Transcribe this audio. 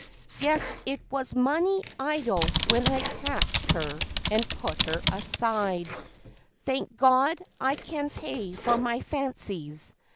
Yes, it was money idle when I patched her and put her aside (Thank God, I can pay for my fancies!)